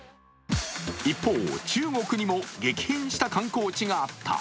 一方、中国にも激変した観光地があった。